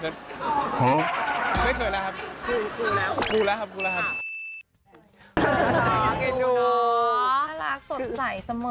อ๋อน่ารักสนใจเสมอด้วยนะครับ